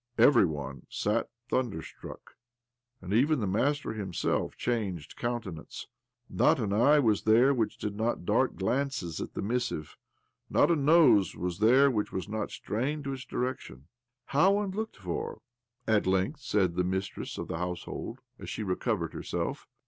Every one sat thunder struck, and even the master himself changed countenance. Not an eye was there which did not dart glances at the missive. Not a nose was there which was not strained in its direction. OBLOMOV 141 " How unlocked for 1 " at length said the mistress of the household as she recovered herself.